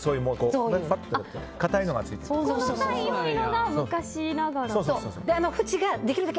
第４位のが昔ながらと。